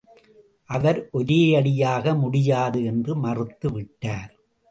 அவர் ஒரேயடியாக முடியாது என்று மறுத்து விட்டார்.